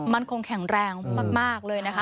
มันคงแข็งแรงมากเลยนะคะ